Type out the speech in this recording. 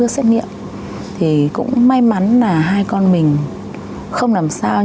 xã hội rồi là